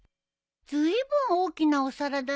ずいぶん大きなお皿だね。